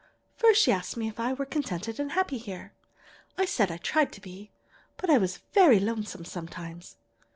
First she asked me if I were contented and happy here. I said I tried to be, but I was very lonely sometimes.